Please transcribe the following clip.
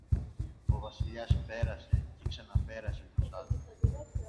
Ο Βασιλιάς πέρασε και ξαναπέρασε μπροστά του